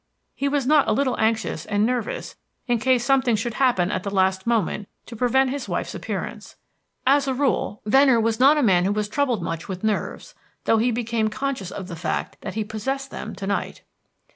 He was not a little anxious and nervous in case something should happen at the last moment to prevent his wife's appearance. As a rule, Venner was not a man who was troubled much with nerves, though he became conscious of the fact that he possessed them to night.